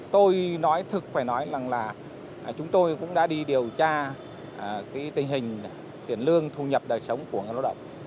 tôi nói thực phải nói là chúng tôi cũng đã đi điều tra tình hình tiền lương thu nhập đời sống của người đồng